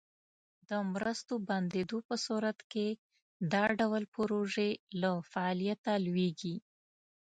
د مرستو بندیدو په صورت کې دا ډول پروژې له فعالیته لویږي.